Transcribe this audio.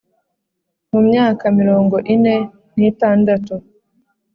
mu myaka mirongo ine n itandatu